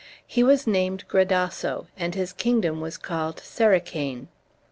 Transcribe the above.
He was named Gradasso, and his kingdom was called Sericane.